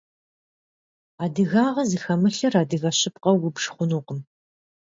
Адыгагъэ зыхэмылъыр адыгэ щыпкъэу убж хъунукъым.